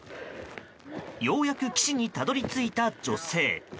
ようやく岸にたどり着いた女性。